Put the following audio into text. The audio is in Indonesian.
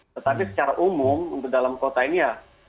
tetapi secara umum untuk dalam kota ini ya